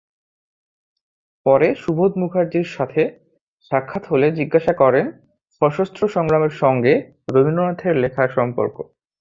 পরে সুবোধ মুখার্জীর সাথে সাক্ষাৎ হলে জিজ্ঞাসা করেন সশস্ত্র সংগ্রামের সঙ্গে রবীন্দ্রনাথের লেখার সম্পর্ক।